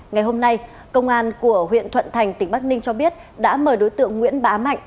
ngày hôm nay công an của huyện thuận thành tỉnh bắc ninh cho biết đã mời đối tượng nguyễn bá mạnh